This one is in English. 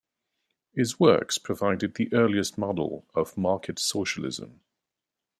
His works provided the earliest model of market socialism.